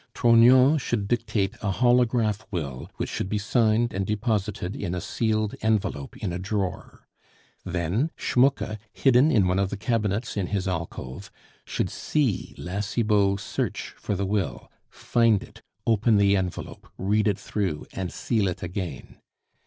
Trognon should dictate a holograph will which should be signed and deposited in a sealed envelope in a drawer. Then Schmucke, hidden in one of the cabinets in his alcove, should see La Cibot search for the will, find it, open the envelope, read it through, and seal it again.